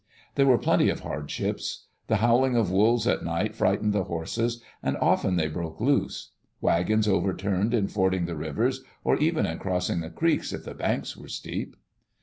There were plenty of hardships. The howling of wolves at night frightened the horses, and often they broke loose. Wagons overturned in fording the rivers, or even in cross ing the creeks if the banks were steep.